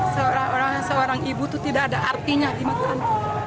seorang ibu itu tidak ada artinya dimakan